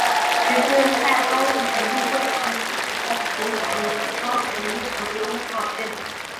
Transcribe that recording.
学生在高级程度会考的时候所考的是高级程度的德文考卷。